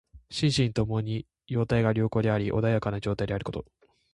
心身ともに様態が良好であり穏やかな状態であること。